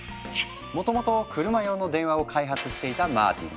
もともとクルマ用の電話を開発していたマーティン。